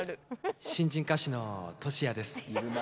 新人歌手のトシヤです。